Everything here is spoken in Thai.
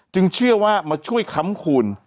เชื่อว่ามาช่วยค้ำคูณ